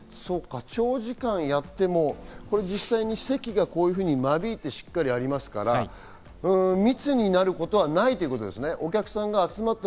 長時間やっても、実際席がこういうふうに間引いて、しっかりありますから、密になることはないということですね。